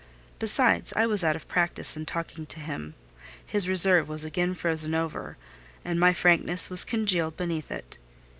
Besides, I was out of practice in talking to him: his reserve was again frozen over, and my frankness was congealed beneath it.